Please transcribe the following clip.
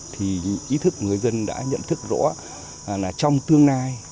thì ý thức người dân đã nhận thức rõ là trong tương lai